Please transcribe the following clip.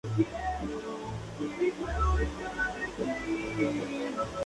Al mismo tiempo, Lacoste proponía mayor autonomía para Argelia y un gobierno descentralizado.